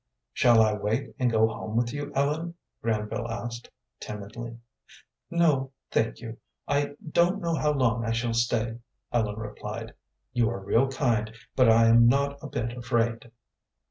"Shall I wait and go home with you, Ellen?" Granville asked, timidly. "No, thank you. I don't know how long I shall stay," Ellen replied. "You are real kind, but I am not a bit afraid."